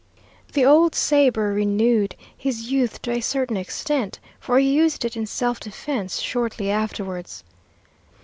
The old sabre renewed his youth to a certain extent, for he used it in self defense shortly afterwards.